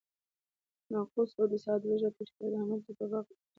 ناقوس او د ساعت برج راته ښکارېده، همالته په باغ او پټي کې.